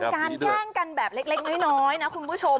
มันเป็นการแกล้งกันเร็กน้อยนะคุณผู้ชม